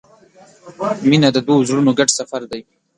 • مینه د دوو زړونو ګډ سفر دی.